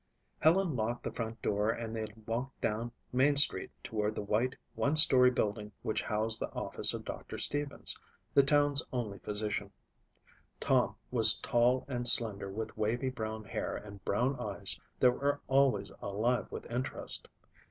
Helen locked the front door and they walked down main street toward the white, one story building which housed the office of Doctor Stevens, the town's only physician. Tom was tall and slender with wavy, brown hair and brown eyes that were always alive with interest.